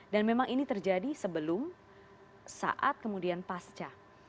dan memang ini terjadi sebelum saat kemudian pasca